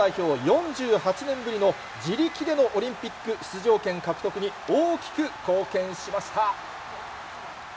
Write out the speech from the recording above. ４８年ぶりの自力でのオリンピック出場権獲得に、大きく貢献しました。